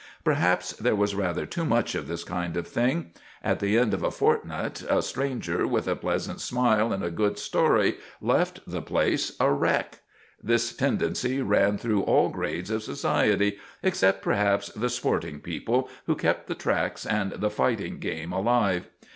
Perhaps there was rather too much of this kind of thing. At the end of a fortnight a visitor with a pleasant smile and a good story left the place a wreck. This tendency ran through all grades of society except, perhaps, the sporting people who kept the tracks and the fighting game alive.